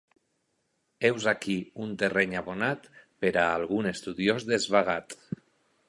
Heus aquí un terreny abonat per a algun estudiós desvagat.